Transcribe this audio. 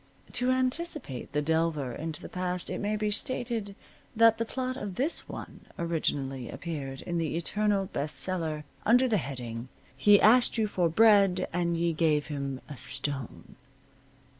To anticipate the delver into the past it may be stated that the plot of this one originally appeared in the Eternal Best Seller, under the heading, "He Asked You For Bread, and Ye Gave Him a Stone."